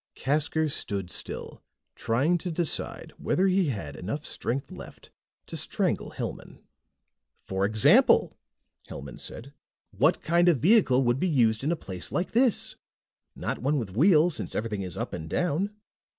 Casker stood still, trying to decide whether he had enough strength left to strangle Hellman. "For example," Hellman said, "what kind of vehicle would be used in a place like this? Not one with wheels, since everything is up and down.